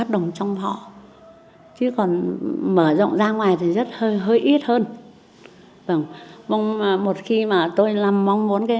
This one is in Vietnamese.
đừng gửi gắm để làm cầu nối sự hai thế giới âm dương